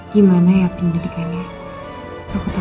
gimana ya pindah di kainnya